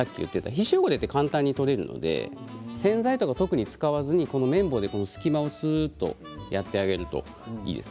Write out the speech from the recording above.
皮脂汚れは簡単に取れるので洗剤とかを特に使わずに綿棒で隙間をすうっとやってやるといいです。